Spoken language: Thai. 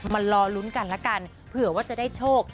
มารอลุ้นกันละกันเผื่อว่าจะได้โชค